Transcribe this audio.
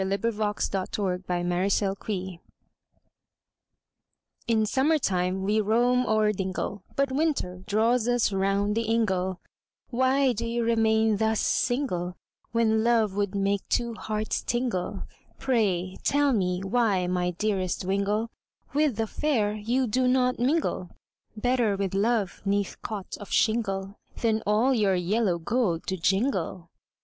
LINES ADDRESSED TO AN OLD BACHELOR. In summer time we roam o'er dingle, But winter draws us round the ingle, Why do you remain thus single, When love would make two hearts tingle, Pray, tell me why my dearest wingle, With the fair you do not mingle, Better with love 'neath cot of shingle, Than all your yellow gold to jingle.